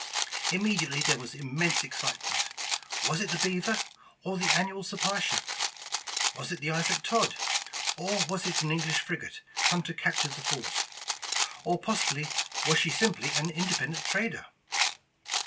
Immediately there was immense excitement. Was it the Beaver, or the annual supply ship? Was it the Isaac Todd, or was it an English frigate come to capture the fort? Or possibly, was she simply an independent trader?